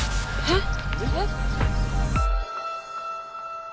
えっ？